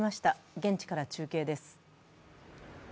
現地から中継です。